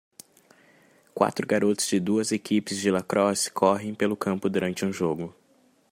Quatro garotos de duas equipes de lacrosse correm pelo campo durante um jogo.